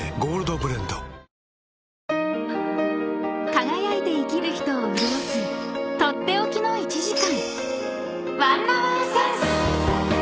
［輝いて生きる人を潤す取って置きの１時間］